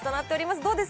どうですか？